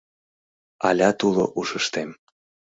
Алят уло ушыштем